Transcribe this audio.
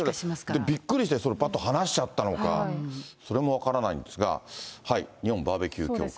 びっくりしてそれぱっと放しちゃったのか、それも分からないんですが、日本バーベキュー協会。